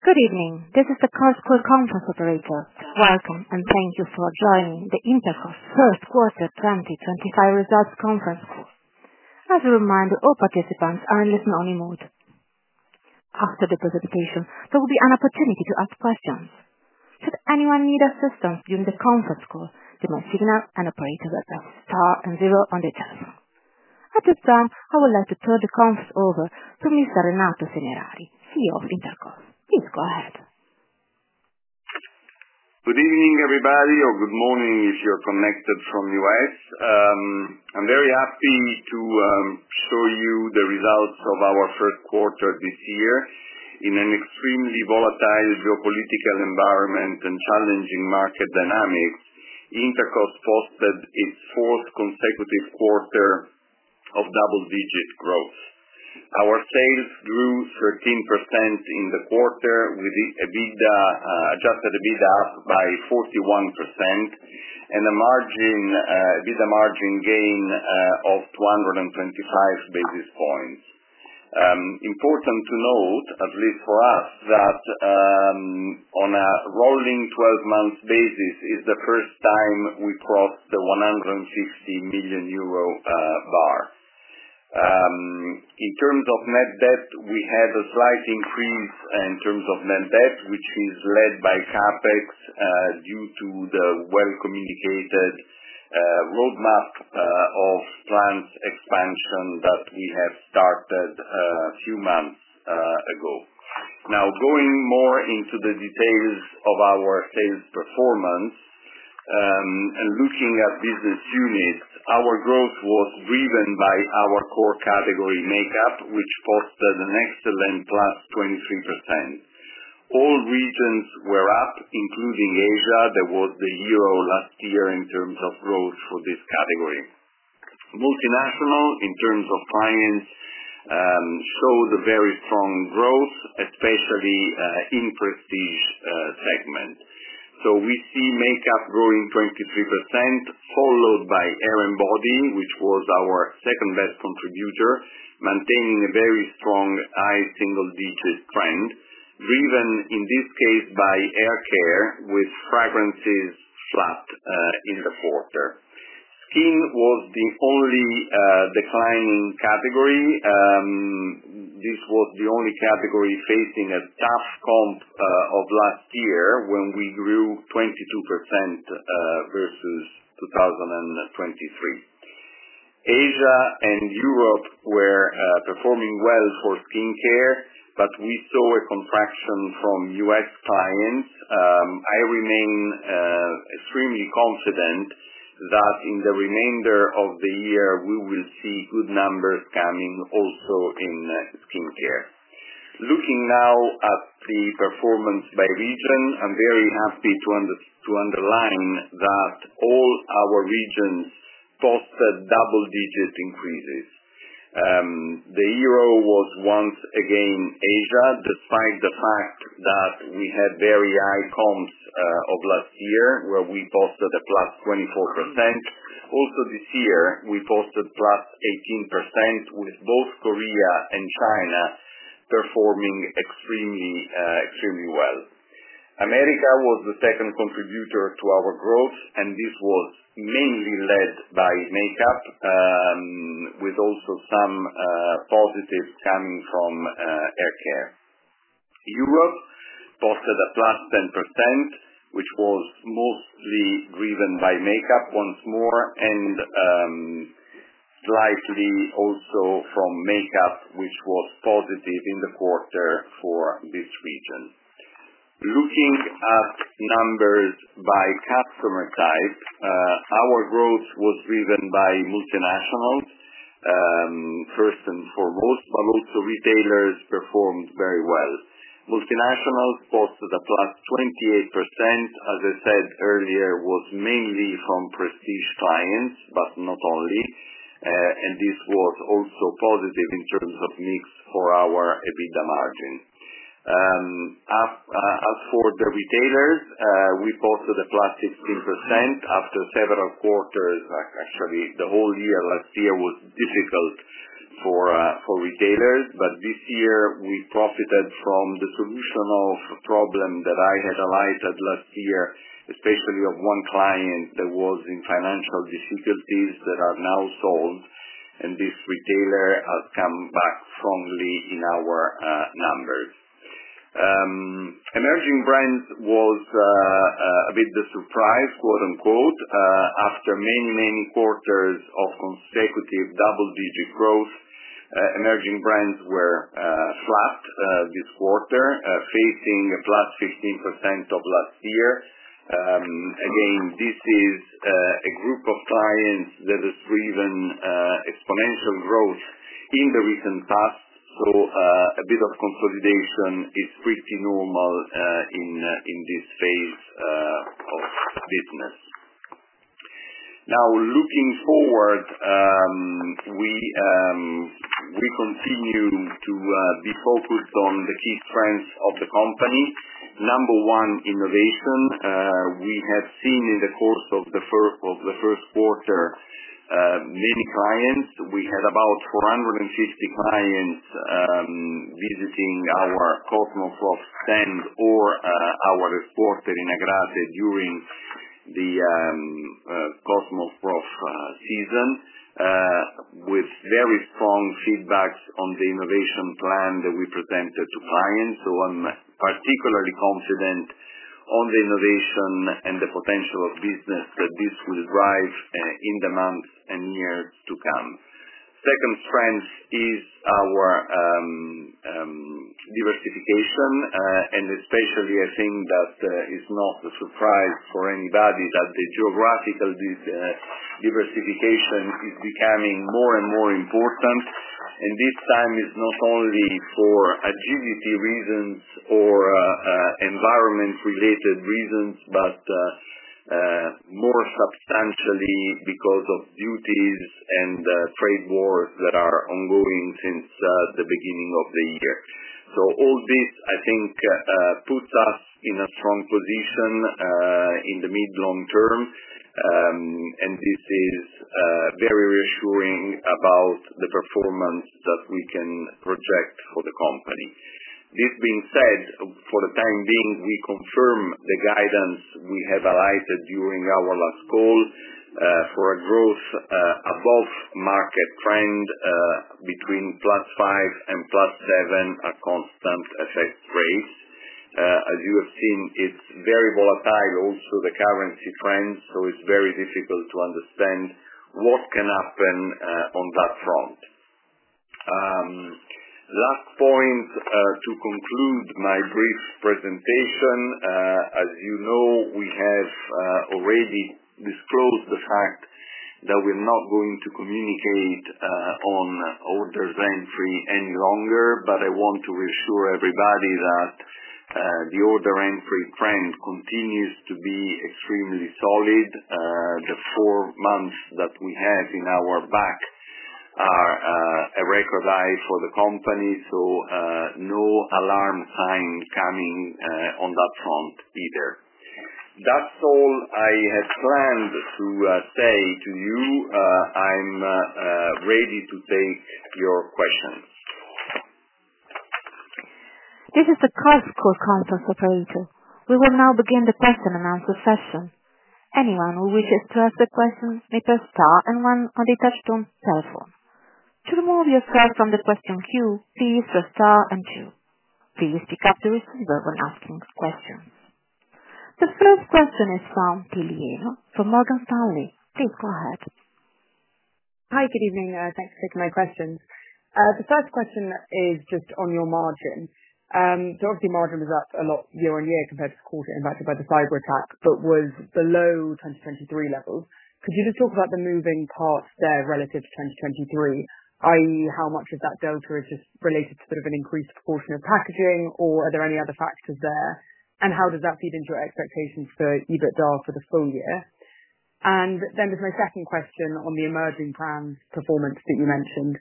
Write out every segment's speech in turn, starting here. Good evening. This is the COSCO Conference Operator. Welcome, and thank you for joining the Intercos First Quarter 2025 Results Conference Call. As a reminder, all participants are in listen-only mode. After the presentation, there will be an opportunity to ask questions. Should anyone need assistance during the conference call, they may signal an operator at the star and zero on the telephone. At this time, I would like to turn the conference over to Mr. Renato Semerari, CEO of Intercos. Please go ahead. Good evening, everybody, or good morning if you're connected from the U.S. I'm very happy to show you the results of our first quarter this year. In an extremely volatile geopolitical environment and challenging market dynamics, Intercos posted its fourth consecutive quarter of double-digit growth. Our sales grew 13% in the quarter, with EBITDA, adjusted EBITDA by 41%, and a margin, EBITDA margin gain of 225 basis points. Important to note, at least for us, that on a rolling 12-month basis, it's the first time we crossed the 150 million euro bar. In terms of net debt, we had a slight increase in terms of net debt, which is led by CapEx due to the well-communicated roadmap of plant expansion that we have started a few months ago. Now, going more into the details of our sales performance and looking at business units, our growth was driven by our core category makeup, which posted an excellent +23%. All regions were up, including Asia. There was the year-over-year in terms of growth for this category. Multinational, in terms of clients, showed a very strong growth, especially in prestige segment. We see makeup growing 23%, followed by hair and body, which was our second-best contributor, maintaining a very strong high single-digit trend, driven in this case by air care, with fragrances flat in the quarter. Skin was the only declining category. This was the only category facing a tough comp of last year when we grew 22% versus 2023. Asia and Europe were performing well for skincare, but we saw a contraction from U.S. clients. I remain extremely confident that in the remainder of the year, we will see good numbers coming also in skincare. Looking now at the performance by region, I'm very happy to underline that all our regions posted double-digit increases. The hero was once again Asia, despite the fact that we had very high cosms of last year, where we posted a +24%. Also this year, we posted +18%, with both Korea and China performing extremely well. America was the second contributor to our growth, and this was mainly led by makeup, with also some positives coming from air care. Europe posted a +10%, which was mostly driven by makeup once more, and slightly also from makeup, which was positive in the quarter for this region. Looking at numbers by customer type, our growth was driven by multinationals, first and foremost, but also retailers performed very well. Multinationals posted a +28%. As I said earlier, it was mainly from prestige clients, but not only, and this was also positive in terms of mix for our EBITDA margin. As for the retailers, we posted a +16% after several quarters. Actually, the whole year last year was difficult for retailers, but this year we profited from the solution of a problem that I had alighted last year, especially of one client that was in financial difficulties that are now solved, and this retailer has come back strongly in our numbers. Emerging brands was a bit of a surprise, quote and quote. After many, many quarters of consecutive double-digit growth, emerging brands were flat this quarter, facing a +15% of last year. Again, this is a group of clients that has driven exponential growth in the recent past, so a bit of consolidation is pretty normal in this phase of business. Now, looking forward, we continue to be focused on the key strengths of the company. Number one, innovation. We have seen in the course of the first quarter many clients. We had about 450 clients visiting our CosmoProf stand or our reporter in Agrate during the CosmoProf season, with very strong feedback on the innovation plan that we presented to clients. I am particularly confident on the innovation and the potential of business that this will drive in the months and years to come. Second strength is our diversification, and especially I think that it is not a surprise for anybody that the geographical diversification is becoming more and more important. This time is not only for agility reasons or environment-related reasons, but more substantially because of duties and trade wars that are ongoing since the beginning of the year. All this, I think, puts us in a strong position in the mid-long term, and this is very reassuring about the performance that we can project for the company. This being said, for the time being, we confirm the guidance we have alighted during our last call for a growth above market trend between +5% and +7% at constant FX rate. As you have seen, it is very volatile, also the currency trends, so it is very difficult to understand what can happen on that front. Last point to conclude my brief presentation. As you know, we have already disclosed the fact that we're not going to communicate on order entry any longer, but I want to reassure everybody that the order entry trend continues to be extremely solid. The four months that we have in our back are a record high for the company, so no alarm sign coming on that front either. That's all I had planned to say to you. I'm ready to take your questions. This is the COSCO Conference Operator. We will now begin the question and answer session. Anyone who wishes to ask a question may press star and one on the touchstone telephone. To remove yourself from the question queue, please press star and two. Please pick up the receiver when asking questions. The first question is from Deliano from Morgan Stanley. Please go ahead. Hi, good evening. Thanks for taking my questions. The first question is just on your margin. Margin was up a lot year-on-year compared to the quarter impacted by the cyber attack, but was below 2023 levels. Could you just talk about the moving parts there relative to 2023, i.e., how much of that delta is just related to sort of an increased proportion of packaging, or are there any other factors there? How does that feed into your expectations for EBITDA for the full year? There is my second question on the emerging brand performance that you mentioned.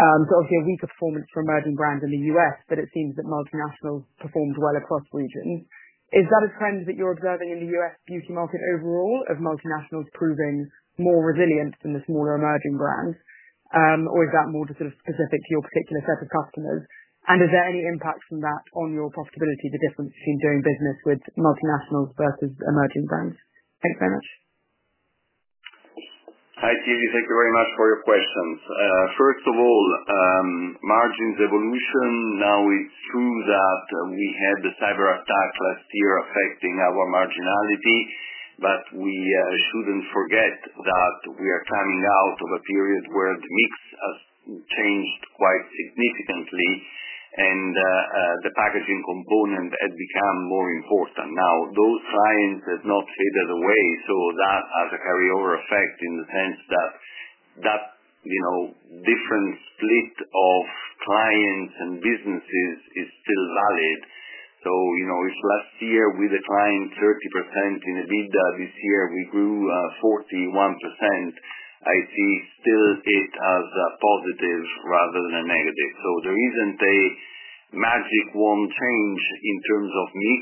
Obviously, a weaker performance for emerging brands in the U.S., but it seems that multinationals performed well across regions. Is that a trend that you're observing in the U.S. beauty market overall, of multinationals proving more resilient than the smaller emerging brands? Is that more just sort of specific to your particular set of customers? Is there any impact from that on your profitability, the difference between doing business with multinationals versus emerging brands? Thanks very much. Hi, Stevie. Thank you very much for your questions. First of all, margin's evolution. Now, it's true that we had the cyber attack last year affecting our marginality, but we shouldn't forget that we are coming out of a period where the mix has changed quite significantly, and the packaging component has become more important. Now, those clients have not faded away, so that has a carryover effect in the sense that that different split of clients and businesses is still valid. If last year we declined 30% in EBITDA, this year we grew 41%. I see still it as a positive rather than a negative. The reason they, magic wand change in terms of mix.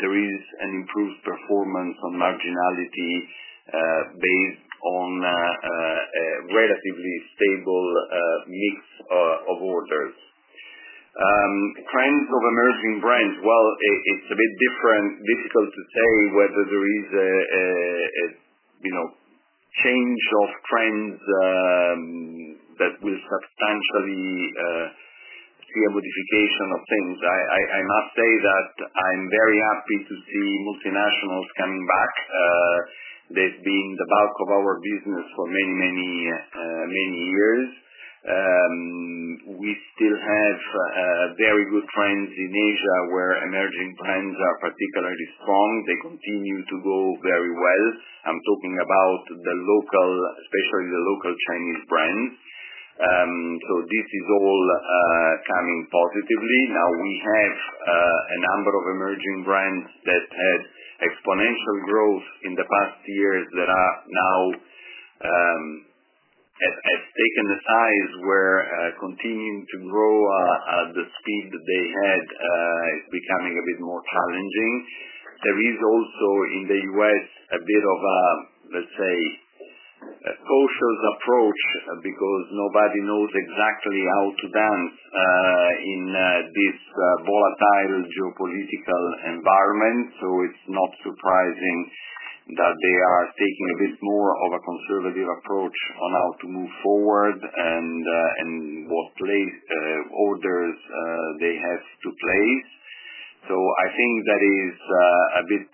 There is an improved performance on marginality based on a relatively stable mix of orders. Trends of emerging brands. While it is a bit different, difficult to say whether there is a change of trends that will substantially see a modification of things. I must say that I am very happy to see multinationals coming back. They have been the bulk of our business for many, many, many years. We still have very good trends in Asia where emerging brands are particularly strong. They continue to go very well. I am talking about the local, especially the local Chinese brands. This is all coming positively. Now, we have a number of emerging brands that had exponential growth in the past years that now have taken the size where continuing to grow at the speed that they had is becoming a bit more challenging. There is also in the U.S. a bit of a, let's say, cautious approach because nobody knows exactly how to dance in this volatile geopolitical environment. It is not surprising that they are taking a bit more of a conservative approach on how to move forward and what place to orders they have to place. I think that it is a bit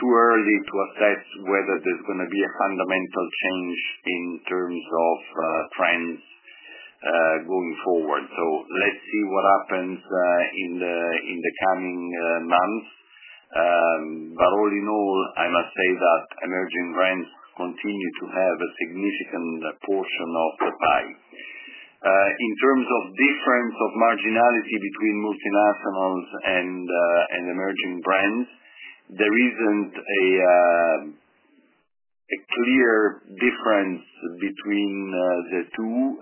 too early to assess whether there is going to be a fundamental change in terms of trends going forward. Let us see what happens in the coming months. All in all, I must say that emerging brands continue to have a significant portion of the pie. In terms of difference of marginality between multinationals and emerging brands, there is not a clear difference between the two.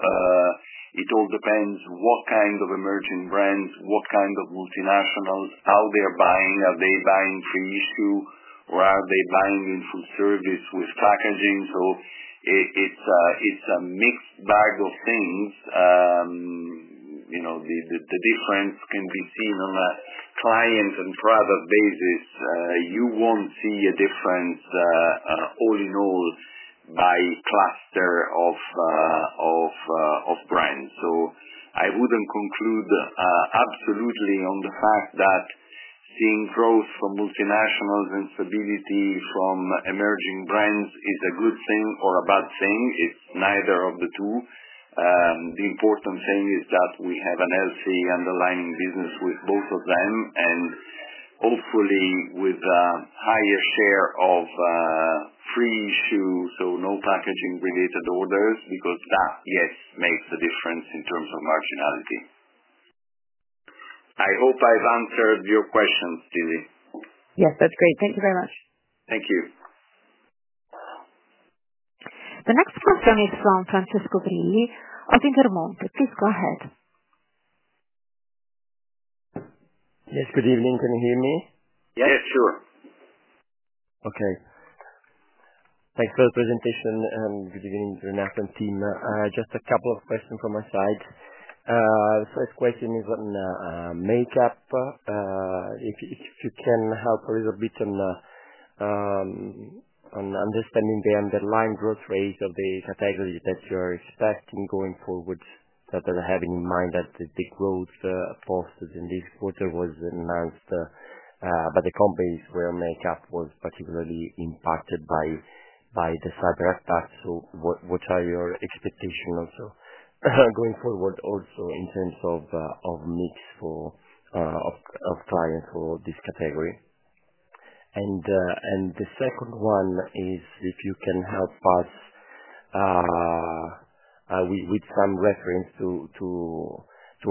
It all depends what kind of emerging brands, what kind of multinationals, how they are buying. Are they buying free issue, or are they buying in full service with packaging? It is a mixed bag of things. The difference can be seen on a client and product basis. You will not see a difference all in all by cluster of brands. So I would not conclude absolutely on the fact that seeing growth from multinationals and stability from emerging brands is a good thing or a bad thing. It is neither of the two. The important thing is that we have a healthy underlying business with both of them, and hopefully with a higher share of free issue, so no packaging-related orders, because that, yes, makes a difference in terms of marginality. I hope I have answered your questions, Stevie. Yes, that's great. Thank you very much. Thank you. The next question is from Francesco Rilli of Intermonte. Please go ahead. Yes, good evening. Can you hear me? Yes, sure. Okay. Thanks for the presentation, and good evening, Renato and team. Just a couple of questions from my side. First question is on makeup. If you can help a little bit on understanding the underlying growth rate of the category that you're expecting going forward, having in mind that the big growth posted in this quarter was announced, but the companies where makeup was particularly impacted by the cyber attack. What are your expectations going forward also in terms of mix of clients for this category? The second one is if you can help us with some reference to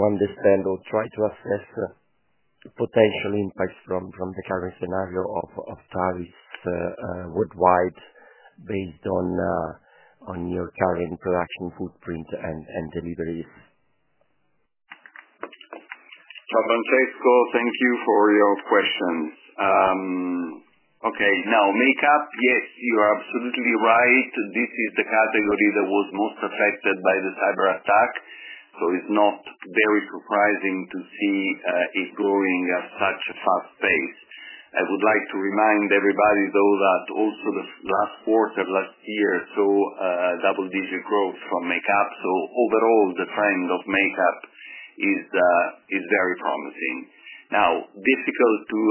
understand or try to assess potential impacts from the current scenario of tariffs worldwide based on your current production footprint and deliveries? Francesco, thank you for your questions. Okay. Now, makeup, yes, you are absolutely right. This is the category that was most affected by the cyber attack. It is not very surprising to see it growing at such a fast pace. I would like to remind everybody, though, that also the last quarter last year, so double-digit growth from makeup. Overall, the trend of makeup is very promising. Now, difficult to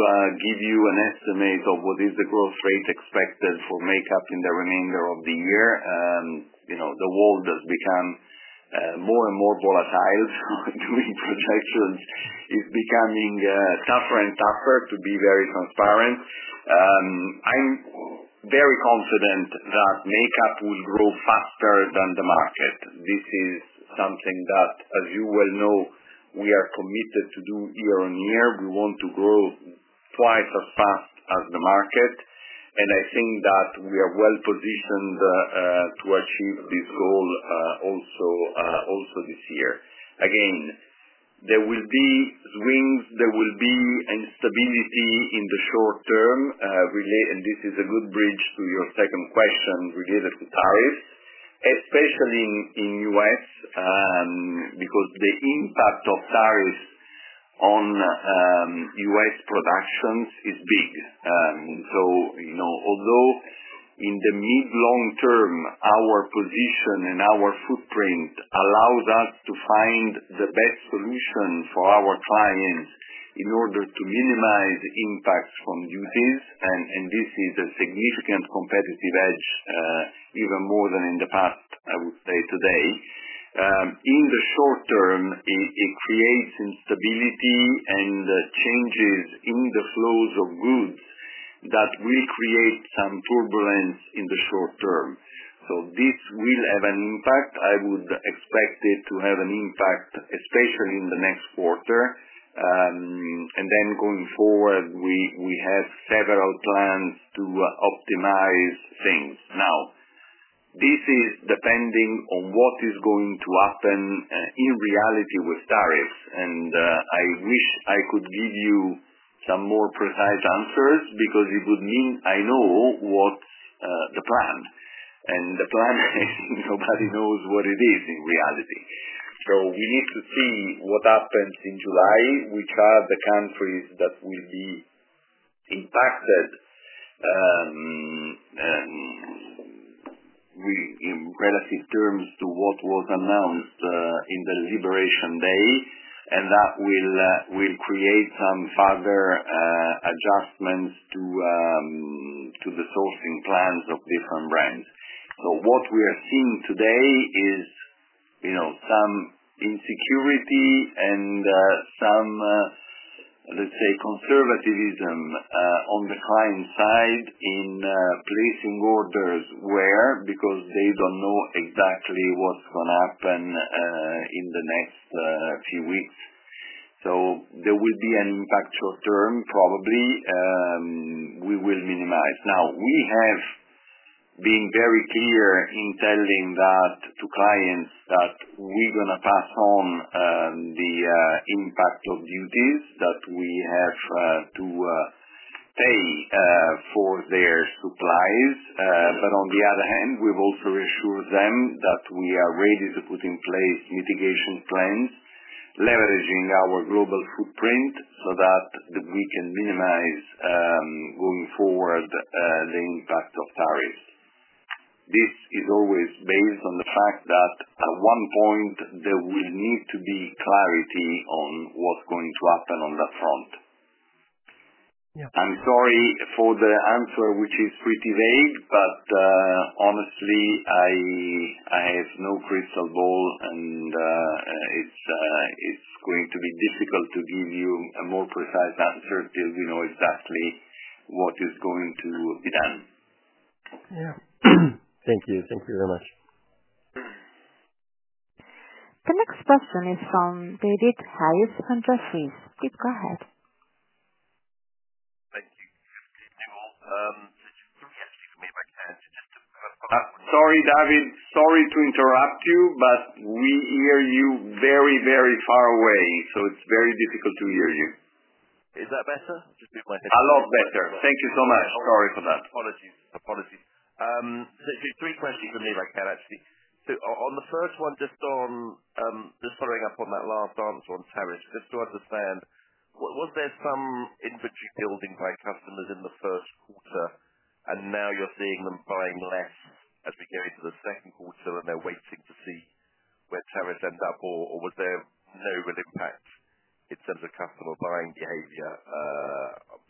give you an estimate of what is the growth rate expected for makeup in the remainder of the year. You know the world has become more and more volatile, so doing projections is becoming tougher and tougher, to be very transparent. I am very confident that makeup will grow faster than the market. This is something that, as you well know, we are committed to do year on year. We want to grow twice as fast as the market. I think that we are well positioned to achieve this goal also this year. Again, there will be swings, there will be instability in the short term. This is a good bridge to your second question related to tariffs, especially in the U.S., because the impact of tariffs on U.S. productions is big. Although in the mid-long term, our position and our footprint allow us to find the best solution for our clients in order to minimize impacts from duties, and this is a significant competitive edge, even more than in the past, I would say today. In the short term, it creates instability and changes in the flows of goods that will create some turbulence in the short term. This will have an impact. I would expect it to have an impact, especially in the next quarter. Going forward, we have several plans to optimize things. Now this is depending on what is going to happen in reality with tariffs and I wish I could give you some more precise answers because it would mean I know what the plan. The plan, nobody knows what it is in reality. We need to see what happens in July, which are the countries that will be impacted in relative terms to what was announced in the liberation day. That will create some further adjustments to the sourcing plans of different brands. What we are seeing today is some insecurity and, some let's say, conservatism on the client side in placing orders where, because they do not know exactly what is going to happen in the next few weeks. So there will be an impact short term, probably we will minimize. Now, we have been very clear in telling that to clients that we're going to pass on the impact of duties that we have to pay for their supplies. On the other hand, we've also reassured them that we are ready to put in place mitigation plans leveraging our global footprint so that we can minimize going forward the impact of tariffs. This is always based on the fact that at one point there will need to be clarity on what's going to happen on that front. I'm sorry for the answer, which is pretty vague, but honestly, I have no crystal ball, and it's going to be difficult to give you a more precise answer till we know exactly what is going to be done. Thank you. Thank you very much. The next question is from David Hayes from Jefferies. Please go ahead. Thank you. Good afternoon. Could you please speak to me if I can? Just to follow up. Sorry, David. Sorry to interrupt you, but we hear you very, very far away. So it's very difficult to hear you. Is that better? A lot better. Thank you so much. Sorry for that, apologies. Apologies. Three questions for me if I can, actually. On the first one, just following up on that last answer on tariffs, just to understand, was there some inventory building by customers in the first quarter, and now you're seeing them buying less as we go into the second quarter, and they're waiting to see where tariffs end up, or was there no real impact in terms of customer buying behavior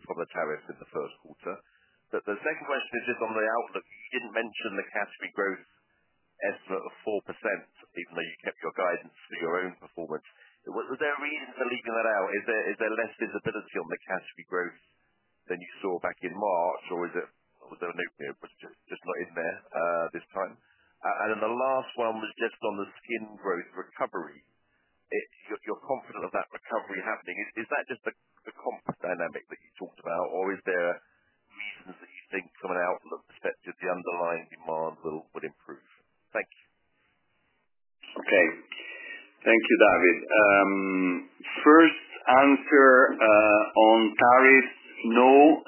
from the tariffs in the first quarter? The second question is just on the outlook. You did not mention the category growth estimate of 4%, even though you kept your guidance for your own performance. Was there a reason for leaving that out? Is there less visibility on the category growth than you saw back in March, or was there a note here, it was just not in there this part? The last one was just on the skin growth recovery. You're confident of that recovery happening. Is that just the comp dynamic that you talked about, or is there reasons that you think from an outlook perspective the underlying demand will improve? Thank you. Okay. Thank you, David. First answer on tariffs. No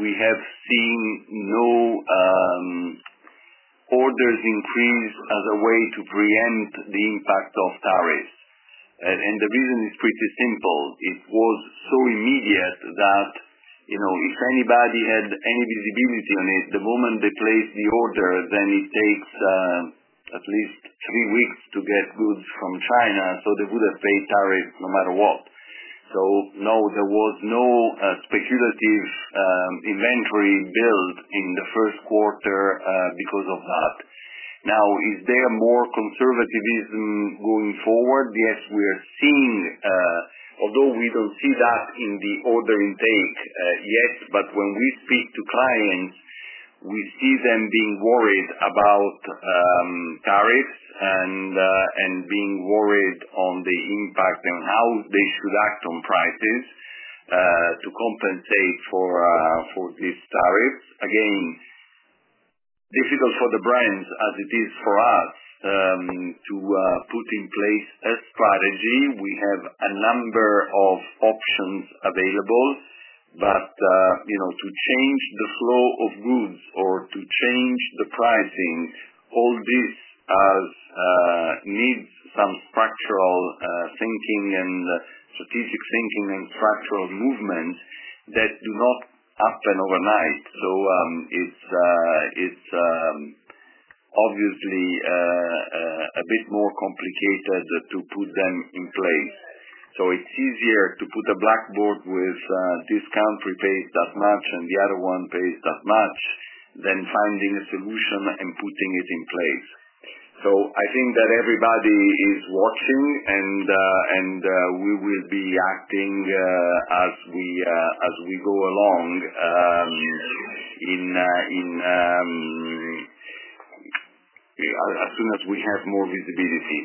we have seen no orders increase as a way to preempt the impact of tariffs. The reason is pretty simple. It was so immediate that if anybody had any visibility on it, the moment they place the order, then it takes at least three weeks to get goods from China. They would have paid tariffs no matter what. No, there was no speculative inventory build in the first quarter because of that. Now, is there more conservatism going forward? Yes, we are seeing, although we do not see that in the order intake yet, but when we speak to clients, we see them being worried about tariffs and being worried on the impact on how they should act on prices to compensate for these tariffs. Again, difficult for the brands as it is for us to put in place a strategy. We have a number of options available, but to change the flow of goods or to change the pricing, all this needs some structural thinking and strategic thinking and structural movements that do not happen overnight. It is obviously a bit more complicated to put them in place. It is easier to put a blackboard with this country pays that much and the other one pays that much than finding a solution and putting it in place. I think that everybody is watching, and we will be acting as we go along as soon as we have more visibility.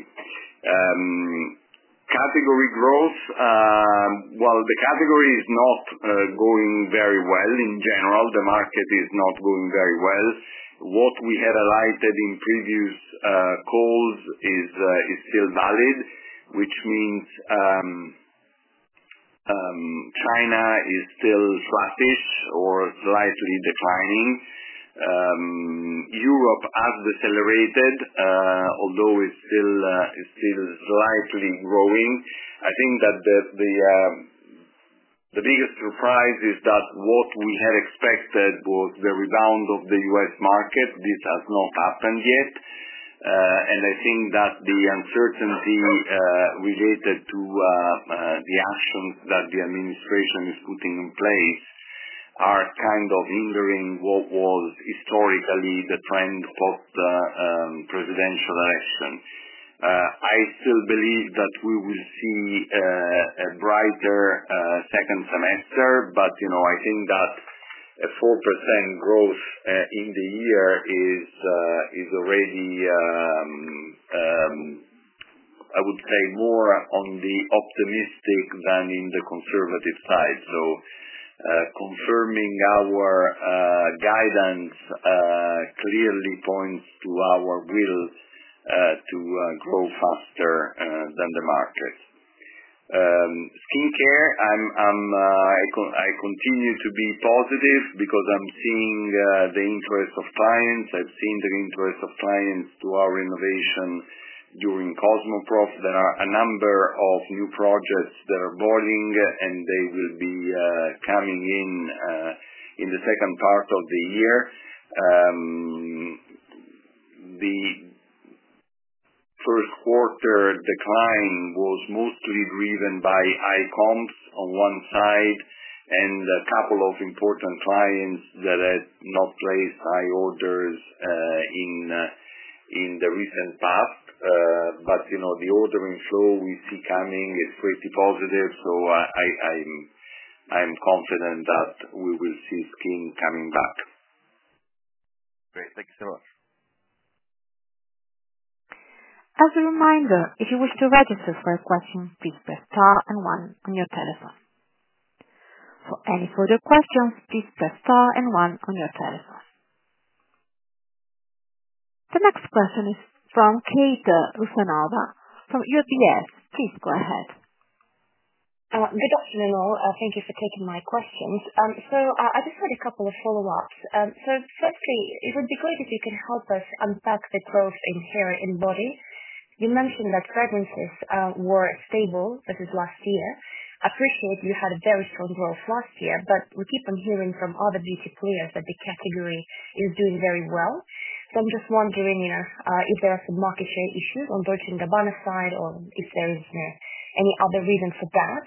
Category growth, the category is not going very well. In general, the market is not going very well. What we had alighted in previous calls is still valid, which means China is still flattish or slightly declining. Europe has decelerated, although it is still slightly growing. I think that the biggest surprise is that what we had expected was the rebound of the U.S. market. This has not happened yet. I think that the uncertainty related to the actions that the administration is putting in place are kind of hindering what was historically the trend post-presidential election. I still believe that we will see a brighter second semester, but I think that a 4% growth in the year is already, I would say, more on the optimistic than in the conservative side though. Confirming our guidance clearly points to our will to grow faster than the market. Skincare, I continue to be positive because I am seeing the interest of clients. I've seen the interest of clients to our innovation during CosmoProf. There are a number of new projects that are boiling, and they will be coming in the second part of the year. The first quarter decline was mostly driven by eye cosms on one side and a couple of important clients that had not placed high orders in the recent past. The ordering flow we see coming is pretty positive. I am confident that we will see skin coming back. Great. Thank you so much. As a reminder, if you wish to register for a question, please press star and one on your telephone. For any further questions, please press star and one on your telephone. The next question is from Kate Rusanova from UBS, please go ahead. Good afternoon all. Thank you for taking my questions. I just had a couple of follow-ups. Firstly, it would be great if you can help us unpack the growth in hair and body. You mentioned that fragrances were stable versus last year. I appreciate you had very strong growth last year, but we keep on hearing from other beauty players that the category is doing very well. I'm just wondering if there are some market share issues on Dolce & Gabbana side or if there is any other reason for that.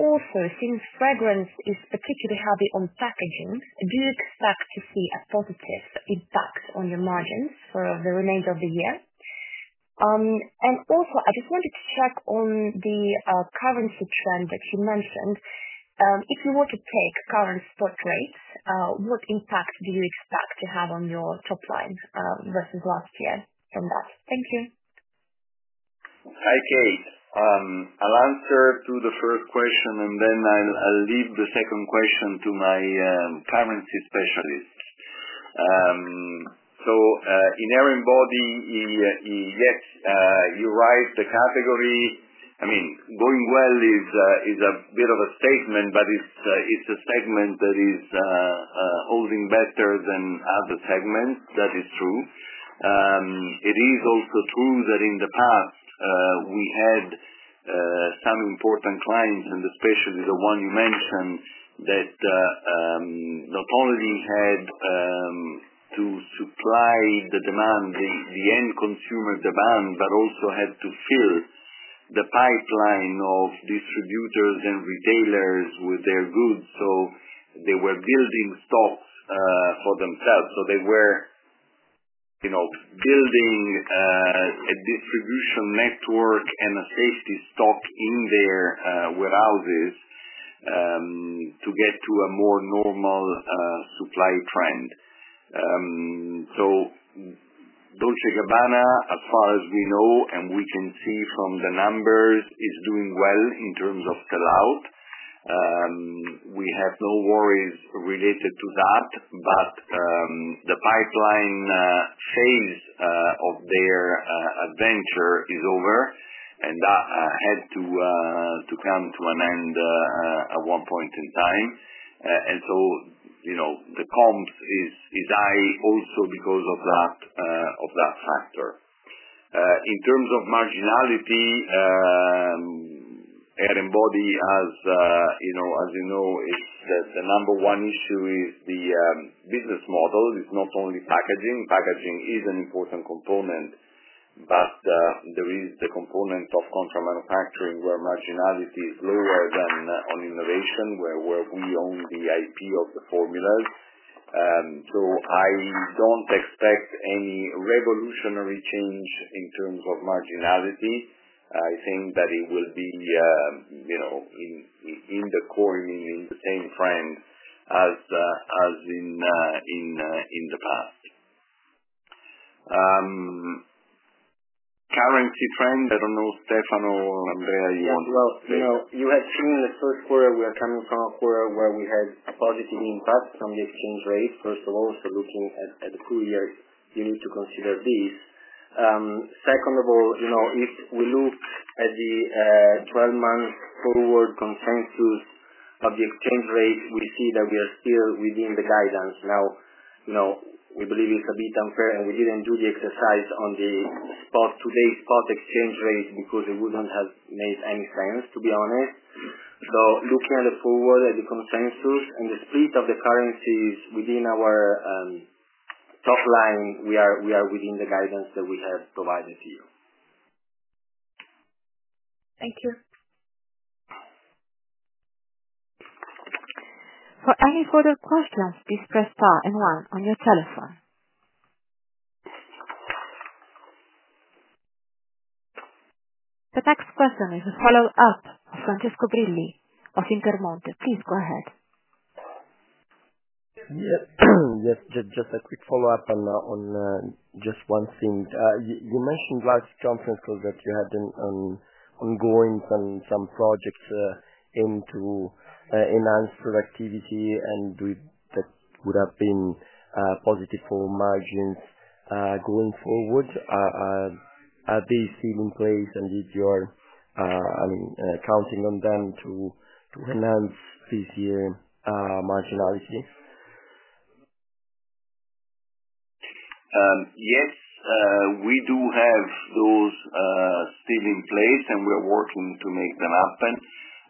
Also, since fragrance is particularly heavy on packaging, do you expect to see a positive impact on your margins for the remainder of the year? I just wanted to check on the currency trend that you mentioned. If you were to take current spot rates, what impact do you expect to have on your top line versus last year from that? Thank you. Hi, Kate. I'll answer to the first question, and then I'll leave the second question to my currency specialist. In hair and body, yes, you're right. The category, I mean, going well is a bit of a statement, but it's a segment that is holding better than other segments. That is true. It is also true that in the past, we had some important clients, and especially the one you mentioned, that not only had to supply the demand, the end consumer demand, but also had to fill the pipeline of distributors and retailers with their goods. So they were building stocks for themselves. They were building a distribution network and a safety stock in their warehouses to get to a more normal supply trend. Dolce & Gabbana, as far as we know, and we can see from the numbers, is doing well in terms of sellout. We have no worries related to that, but the pipeline phase of their adventure is over, and that had to come to an end at one point in time. The cosms is high also because of that factor. In terms of marginality, hair and body, as you know, the number one issue is the business model. It is not only packaging. Packaging is an important component, but there is the component of contract manufacturing where marginality is lower than on innovation, where we own the IP of the formulas. I do not expect any revolutionary change in terms of marginality. I think that it will be in the coin, in the same trend as in the past. Currency trend, I do not know, Stefano or Andrea, you want to say. You had seen the first quarter. We are coming from a quarter where we had a positive impact on the exchange rate. First of all, looking at the two years, you need to consider this. Second of all, if we look at the 12-month forward consensus of the exchange rate, we see that we are still within the guidance. Now, we believe it's a bit unfair, and we didn't do the exercise on today's spot exchange rate because it wouldn't have made any sense, to be honest. Looking at the forward and the consensus and the split of the currencies within our top line, we are within the guidance that we have provided to you. Thank you. For any further questions, please press star and one on your telephone. The next question is a follow-up of Francesco Rilli of Intermonte. Please go ahead. Yes. Just a quick follow-up on just one thing. You mentioned last conference call that you had ongoing some projects aimed to enhance productivity, and that would have been positive for margins going forward. Are they still in place, and did you, I mean, counting on them to enhance this year's marginality? Yes. We do have those still in place, and we're working to make them happen.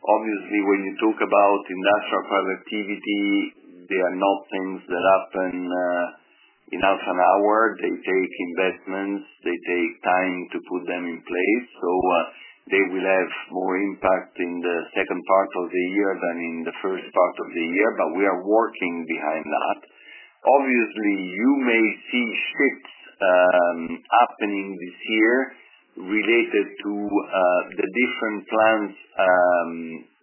Obviously, when you talk about industrial productivity, they are not things that happen in 0.5 an hour. They take investments. They take time to put them in place. They will have more impact in the second part of the year than in the first part of the year, but we are working behind that. Obviously, you may see shifts happening this year related to the different plans'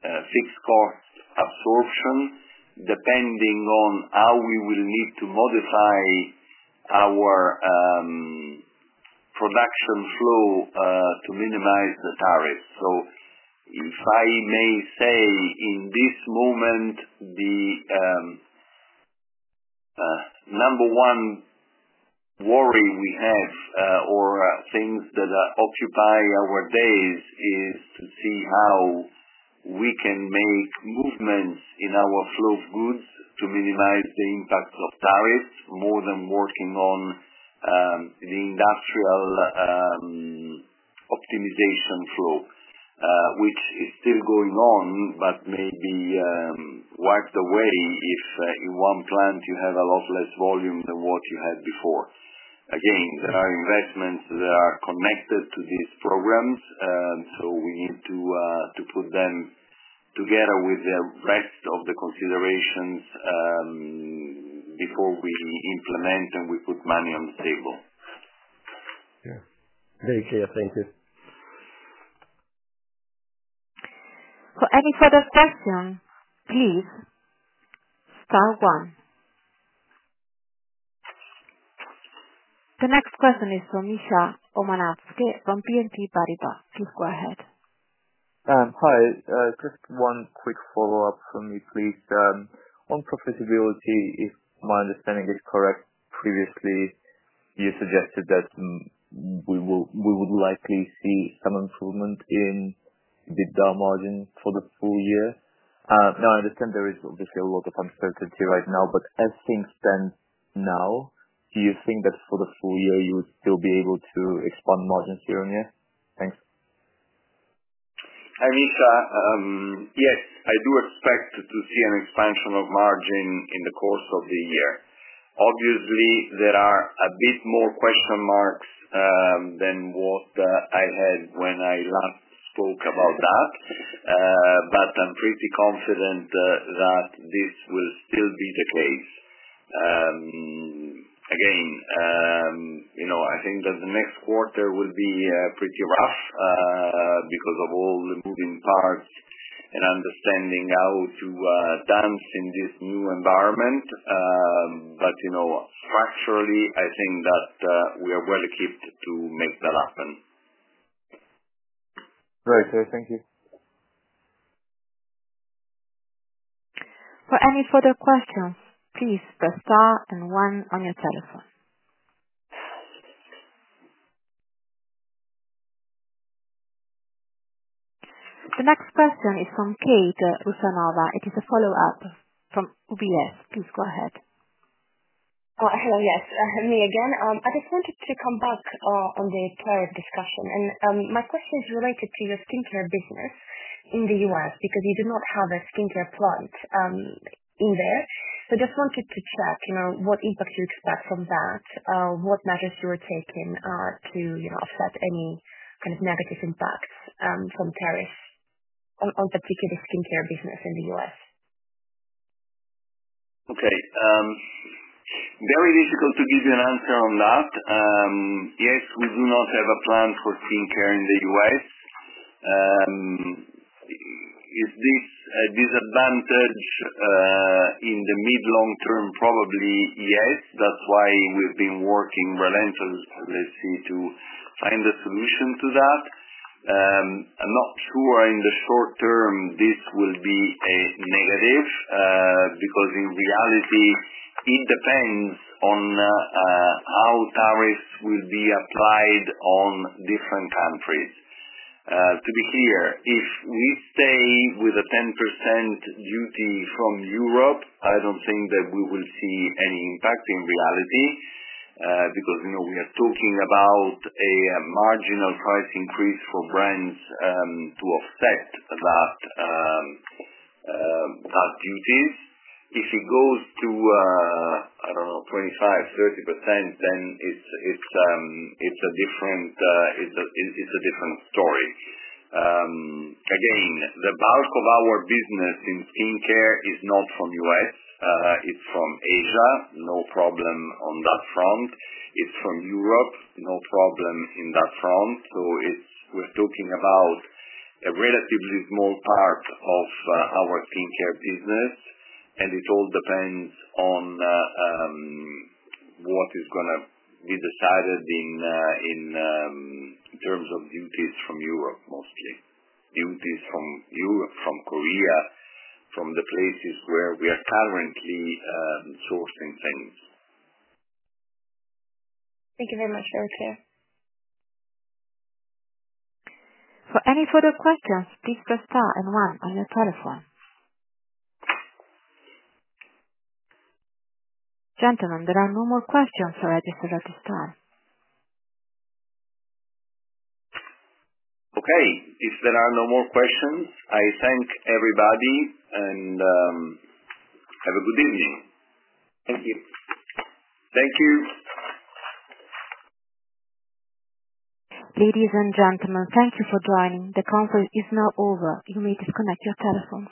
fixed cost absorption, depending on how we will need to modify our production flow to minimize the tariffs. If I may say, in this moment, the number one worry we have or things that occupy our days is to see how we can make movements in our flow of goods to minimize the impact of tariffs more than working on the industrial optimization flow, which is still going on but may be wiped away if in one plant you have a lot less volume than what you had before. Again, there are investments that are connected to these programs, so we need to put them together with the rest of the considerations before we implement and we put money on the table. Yeah. Very clear. Thank you. For any further questions, please star one. The next question is from Misha Omanatske from BNP Paribas. Please go ahead. Hi. Just one quick follow-up for me, please. On profitability, if my understanding is correct, previously you suggested that we would likely see some improvement in the DAR margin for the full year. Now, I understand there is obviously a lot of uncertainty right now, but as things stand now, do you think that for the full year you would still be able to expand margins here and there? Thanks. Hi, Misha. Yes, I do expect to see an expansion of margin in the course of the year. Obviously, there are a bit more question marks than what I had when I last spoke about that, but I'm pretty confident that this will still be the case. Again, I think that the next quarter will be pretty rough because of all the moving parts and understanding how to dance in this new environment. Structurally, I think that we are well equipped to make that happen. Great. Thank you. For any further questions, please press star and one on your telephone. The next question is from Kate Rusanova. It is a follow-up from UBS. Please go ahead. Hello. Yes. Me again. I just wanted to come back on the tariff discussion. My question is related to your skincare business in the U.S. because you do not have a skincare plant in there. I just wanted to check what impact you expect from that, what measures you are taking to offset any kind of negative impacts from tariffs on particular skincare business in the U.S.? Okay. Very difficult to give you an answer on that. Yes, we do not have a plan for skincare in the U.S. and is this a disadvantage in the mid-long term? Probably yes. That's why we've been working relentlessly to find a solution to that. I'm not sure in the short term this will be a negative because in reality, it depends on how tariffs will be applied on different countries. To be clear, if we stay with a 10% duty from Europe, I don't think that we will see any impact in reality because we are talking about a marginal price increase for brands to offset that duties. If it goes to, I don't know, 25% - 30%, then it's a different story. Again, the bulk of our business in skincare is not from the U.S. It's from Asia. No problem on that front. It's from Europe. No problem in that front. We're talking about a relatively small part of our skincare business, and it all depends on what is going to be decided in terms of duties from Europe mostly. Duties from Europe, from Korea, from the places where we are currently sourcing things. Thank you very much. Very clear. For any further questions, please press star and one on your telephone. Gentlemen, there are no more questions registered at this time. Okay. If there are no more questions, I thank everybody and have a good evening. Thank you. Thank you. Ladies and gentlemen, thank you for joining. The conference is now over. You may disconnect your telephone.